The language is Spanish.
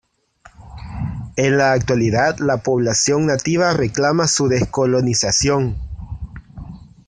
En la actualidad la población nativa reclama su descolonización.